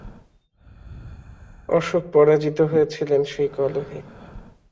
অশোক পরাজিত হয়েছিলেন সেই কলহে।